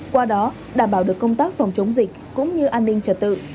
qua đó đảm bảo được công tác phòng chống dịch cũng như an ninh trật tự